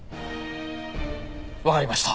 わかりました。